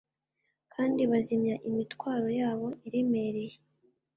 Kandi bazimya imitwaro yabo iremereye